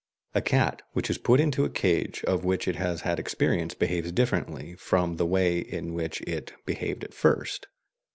A cat which is put into a cage of which it has had experience behaves differently from the way in which it behaved at first.